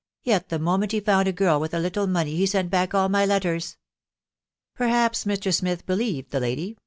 yet the moment he found a girl with a little money he sent back all my letters ••••!" Perhaps Mr. Smith believed the lady •••